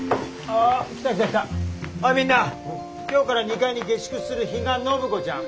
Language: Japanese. おいみんな今日から２階に下宿する比嘉暢子ちゃん。